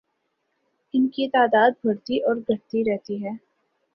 ان کی تعداد بڑھتی اور گھٹتی رہتی ہے